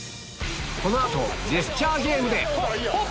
この後ジェスチャーゲームで！